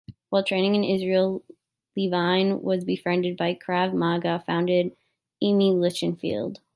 While training in Israel, Levine was befriended by Krav Maga founder Imi Lichtenfeld.